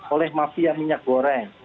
oleh mafia minyak goreng